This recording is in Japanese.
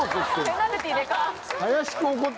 ペナルティーデカっ！